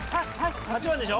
８番でしょ？